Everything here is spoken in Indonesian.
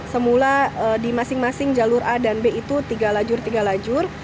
semula di masing masing jalur a dan b itu tiga lajur tiga lajur